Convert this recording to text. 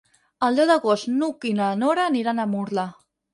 El deu d'agost n'Hug i na Nora aniran a Murla.